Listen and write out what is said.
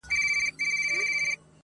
د زرګونو چي یې غاړي پرې کېدلې -